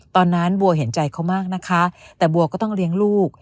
ตอนนั้นบัวเห็นใจเขามากนะคะแต่บัวก็ต้องเลี้ยงลูก